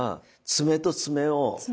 爪と爪を。